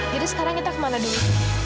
jadi sekarang kita kemana dulu